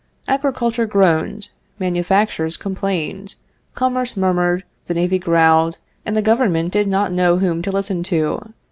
Agriculture groaned, manufactures complained, commerce murmured, the navy growled, and the government did not know whom to listen to.